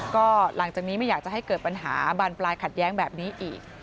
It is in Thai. ก็หลังจากนี้ไม่อยากจะให้เกิดปัญหาบานปลายขัดแย้งแบบนี้อีก